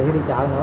hay đi chợ nữa